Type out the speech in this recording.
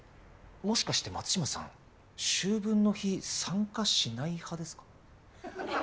もしかして松島さん秋分の日参加しない派ですか？